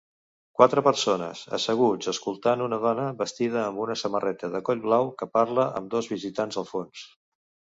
Quatre persones asseguts escoltant una dona vestida amb una samarreta de coll blau que parla amb dos visitants al fons